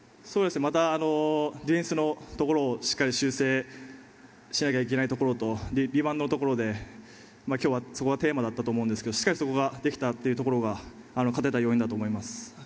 ディフェンスのところでしっかり修正しなきゃいけないところとリバウンドのところで今日はそこがテーマだったと思うんですけどしっかりそこができたというところが勝てた要因だと思います。